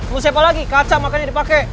lo siapa lagi kaca makanya dipake